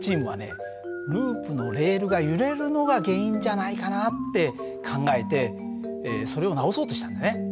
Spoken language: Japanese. ループのレールが揺れるのが原因じゃないかなって考えてそれを直そうとしたんだね。